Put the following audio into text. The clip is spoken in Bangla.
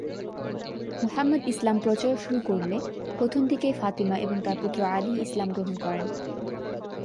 মুহাম্মাদ ইসলাম প্রচার শুরু করলে, প্রথম দিকেই ফাতিমা ও তার পুত্র আলী ইসলাম গ্রহণ করেন।